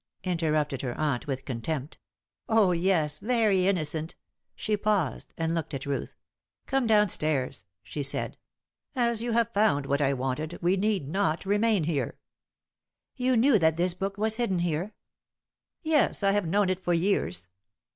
interrupted her aunt, with contempt. "Oh, yes, very innocent!" She paused and looked at Ruth. "Come downstairs," she said. "As you have found what I wanted, we need not remain here." "You knew that this book was hidden here?" "Yes; I have known it for years."